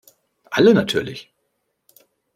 Alle natürlich.